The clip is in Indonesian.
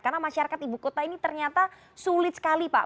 karena masyarakat ibu kota ini ternyata sulit sekali pak